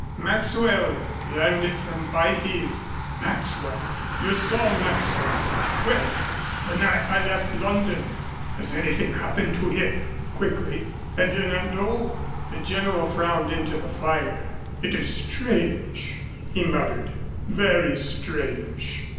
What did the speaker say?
"Maxwell learned it from Byfield." "Maxwell! You saw Maxwell when?" "The night I left London." "Has anything happened to him?" quickly. "I do not know." The General frowned into the fire. "It is strange," he muttered. "Very strange.